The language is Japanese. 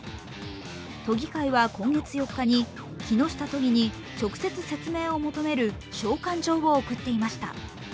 都議会は今月４日に木下都議に直接説明を求める召喚状を送っていました。